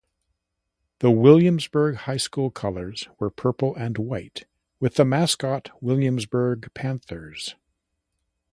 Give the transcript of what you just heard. The Williamsburg High School colors were purple and white with the mascot Williamsburg Panthers.